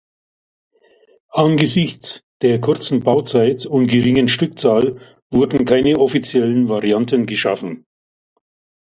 Angesichts der kurzen Bauzeit und geringen Stückzahl wurden keine offiziellen Varianten geschaffen.